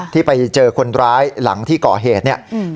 ที่ไปเจอคนร้ายหลังที่ก่อเหตุเนี่ย